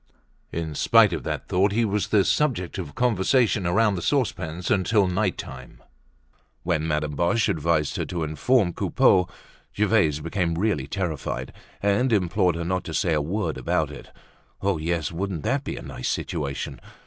In spite of that thought, he was the subject of conversation around the saucepans until night time. When Madame Boche advised her to inform Coupeau, Gervaise became really terrified, and implored her not to say a word about it. Oh, yes, wouldn't that be a nice situation!